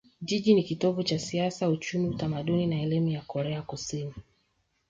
Jiji ni kitovu cha siasa, uchumi, utamaduni na elimu ya Korea Kusini.